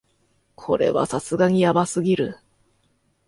これはさすがにヤバすぎる